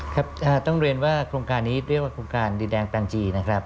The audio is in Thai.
ครับต้องเรียนว่าโครงการนี้เรียกว่าโครงการดินแดงปันจีนะครับ